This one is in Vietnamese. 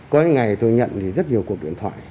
có những ngày tôi nhận thì rất nhiều cuộc điện thoại